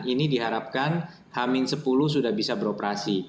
ini diharapkan hamin sepuluh sudah bisa beroperasi